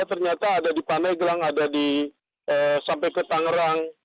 ternyata ada di pandeglang ada sampai ke tangerang